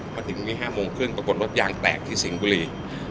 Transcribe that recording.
พอถึงวันที่๕โมงครึ่งรถยางแตกที่สิงห์กุรี